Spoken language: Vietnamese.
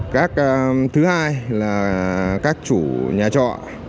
các thứ hai là các chủ nhà trọ